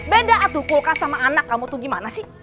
beda tuh kulkas sama anak kamu tuh gimana sih